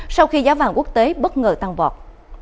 sau khi giá vàng quốc tế bất ngờ tăng vọt